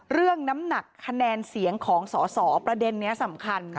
น้ำหนักคะแนนเสียงของสอสอประเด็นนี้สำคัญ